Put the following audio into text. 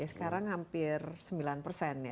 sekarang hampir sembilan persen